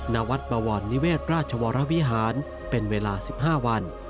ณวัดปวรนิเวศราชวรวิหารเป็นเวลา๑๕วัน